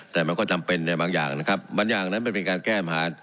แต่มันก็จำเป็นในบางอย่างนะครับบางอย่างนั้นมันเป็นการแก้ปัญหา